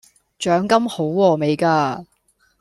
獎金好禾味架!